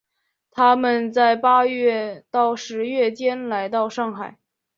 他们在八月到十月间来到上海。